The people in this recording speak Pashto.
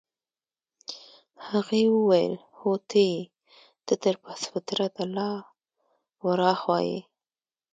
هغې وویل: هو ته يې، ته تر پست فطرته لا ورهاخوا يې.